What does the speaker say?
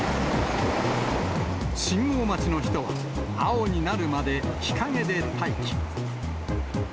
信号待ちの人は、青になるまで日陰で待機。